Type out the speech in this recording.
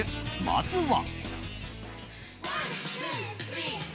まずは。